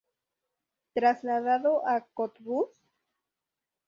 Trasladado a Cottbus?